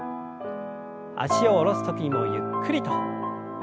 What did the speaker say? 脚を下ろす時にもゆっくりと。